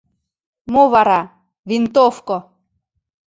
Мо вара — винтовко!